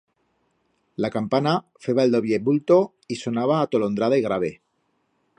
La campana feba el doblle bulto, y sonaba atolondrada y grave.